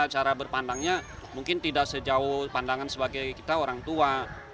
cara berpandangnya mungkin tidak sejauh pandangan sebagai kita orang tua